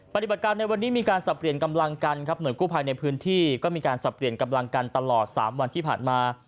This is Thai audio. ปฏิบัติการในวันนี้มีการสับเปลี่ยนกำลังกันครับหน่วยกู้ภัยในพื้นที่ก็มีการสับเปลี่ยนกำลังกันตลอด๓วันที่ผ่านมา